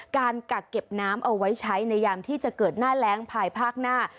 กักเก็บน้ำเอาไว้ใช้ในยามที่จะเกิดหน้าแรงภายภาคหน้า